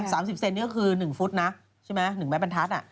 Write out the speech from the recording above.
๓๐เซนติเมตรนี่ก็คือ๑ฟุตนะใช่ไหม๑แบบบันทัศน์